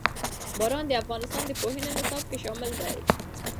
باران د افغانستان د پوهنې نصاب کې شامل دي.